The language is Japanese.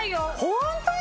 ホントに？